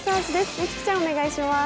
美月ちゃん、お願いします。